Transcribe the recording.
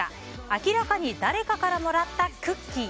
明らかに誰かからもらったクッキー。